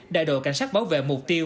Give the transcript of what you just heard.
đại đội cảnh sát bảo vệ mục tiêu